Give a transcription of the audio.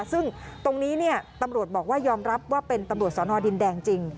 ซึ่งตรงนี้ตำรวจบอกว่ายอมรับว่าเป็นตำรวจสอนอดินแดงจริง